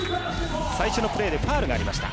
最初のプレーでファウルがありました。